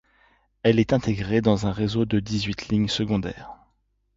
Elle est intégrée dans un réseau de dix-huit lignes secondaires.